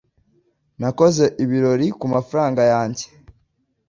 Nakoze ibirori ku mafaranga yanjye.